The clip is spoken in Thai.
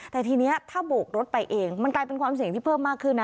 แต่ทีนี้ถ้าโบกรถไปเองมันกลายเป็นความเสี่ยงที่เพิ่มมากขึ้นนะ